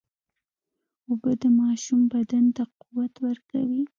اوبه د ماشوم بدن ته قوت ورکوي.